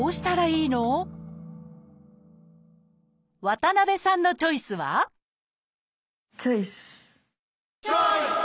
渡辺さんのチョイスはチョイス！